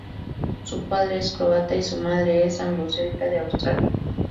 Su padre es croata y su madre es anglo-celta de Australia.